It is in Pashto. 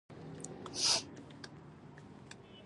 بل محقق بیا په خپل علمي تحقیق سره.